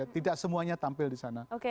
tidak semuanya tampil di sana